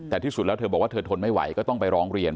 แต่ที่สุดแล้วเธอบอกว่าเธอทนไม่ไหวก็ต้องไปร้องเรียน